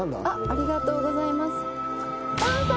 ありがとうございます。